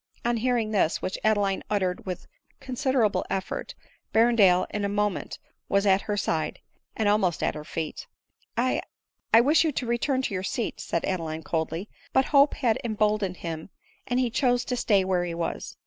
On hearing this, which Adeline uttered with consider able effort, Berrendale in a moment was at her side, and almost at her feet. " I — I wish you to return to your seat," said Adeline coldly ; but hope had emboldened him and he chose to stay where he was.